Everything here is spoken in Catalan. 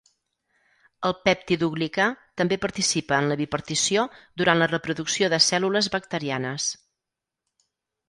El peptidoglicà també participa en la bipartició durant la reproducció de cèl·lules bacterianes.